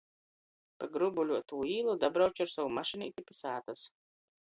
Pa grubuļuotū īlu dabrauču ar sovu mašineiti pi sātys.